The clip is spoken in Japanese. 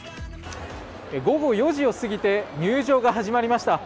午後４時を過ぎて入場が始まりました。